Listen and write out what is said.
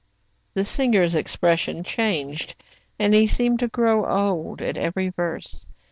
The singer's expression changed, and he seemed to grow old, at every verse.